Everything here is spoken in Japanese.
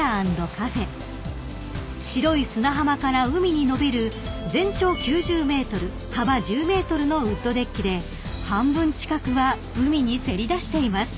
［白い砂浜から海に延びる全長９０ｍ幅１０ｍのウッドデッキで半分近くは海にせり出しています］